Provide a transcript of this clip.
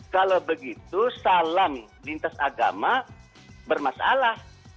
kalau begitu salam lintas agama bermasalah